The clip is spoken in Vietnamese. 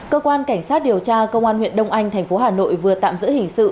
cơ quan cảnh sát điều tra công an huyện đông anh thành phố hà nội vừa tạm giữ hình sự